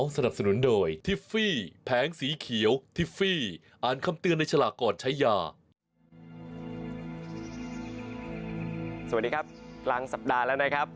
สวัสดีครับกลางสัปดาห์แล้วนะครับ